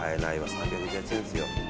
３１８円ですよ。